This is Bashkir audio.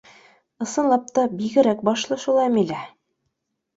— Ысынлап та, бигерәк башлы шул Әмилә.